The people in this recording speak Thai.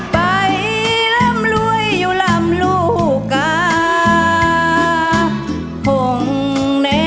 ไปร่ำรวยอยู่ร่ำลูกอะ